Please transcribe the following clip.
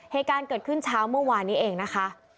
เหตุการณ์เกิดขึ้นเช้าเมื่อวานนี้เองนะคะ